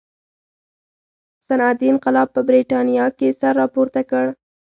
صنعتي انقلاب په برېټانیا کې سر راپورته کړي.